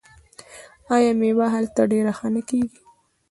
آیا میوه هلته ډیره ښه نه کیږي؟